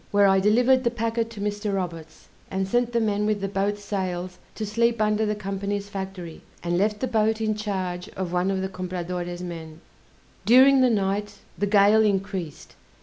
where I delivered the packet to Mr. Roberts, and sent the men with the boat's sails to sleep under the Company's Factory, and left the boat in charge of one of the Compradore's men; during the night the gale increased.